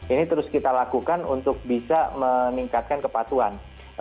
ini terus kita lakukan untuk bisa meningkatkan kepatuan